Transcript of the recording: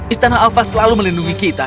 istana alfa selalu melindungi kita